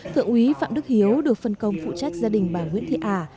thượng úy phạm đức hiếu được phân công phụ trách gia đình bà nguyễn thị ả